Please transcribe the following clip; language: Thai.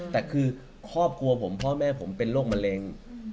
แต่คือครอบครัวผมพ่อแม่ผมเป็นโรคมะเร็ง